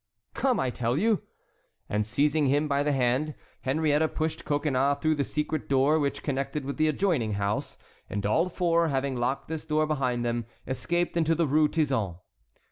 "Come, I tell you." And seizing him by the hand, Henriette pushed Coconnas through the secret door which connected with the adjoining house, and all four, having locked this door behind them, escaped into the Rue Tizon.